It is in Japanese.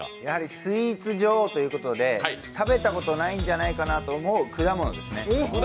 スイーツ女王ということで食べたことないんじゃないかなと思う果物ですね。